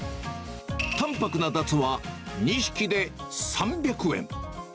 淡泊なダツは２匹で３００円。